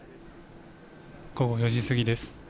午後４時過ぎです。